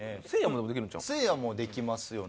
せいやもできますよね。